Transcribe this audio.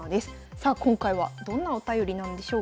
さあ今回はどんなお便りなんでしょうか。